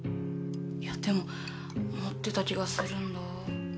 いやでも持ってた気がするんだ。